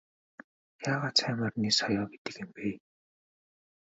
Яагаад сайн морины соёо гэдэг юм бэ?